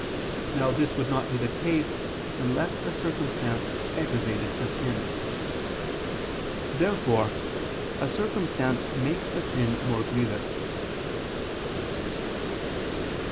Now this would not be the case unless a circumstance aggravated a sin. Therefore a circumstance makes a sin more grievous.